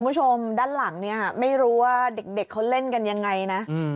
คุณผู้ชมด้านหลังเนี่ยไม่รู้ว่าเด็กเขาเล่นกันยังไงนะ